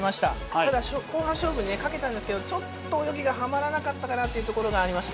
ただ、後半勝負にかけたんですけれども、ちょっと泳ぎがはまらなかったかなというところがありました。